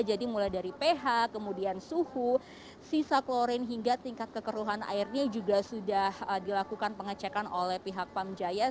jadi mulai dari ph kemudian suhu sisa klorin hingga tingkat kekeruhan airnya juga sudah dilakukan pengecekan oleh pihak pamjaya